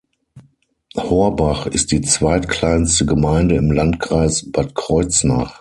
Horbach ist die zweitkleinste Gemeinde im Landkreis Bad Kreuznach.